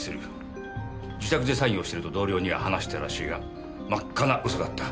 自宅で作業をしてると同僚には話してたらしいが真っ赤な嘘だった。